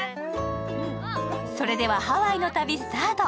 それではハワイの旅、スタート。